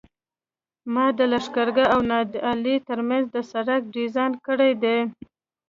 ما د لښکرګاه او نادعلي ترمنځ د سرک ډیزاین کړی دی